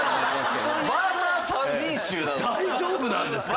大丈夫なんですか？